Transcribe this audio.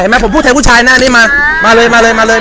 ผมพูดแทนผู้ชายคนนี้มามาเลยมาเลยมาเลย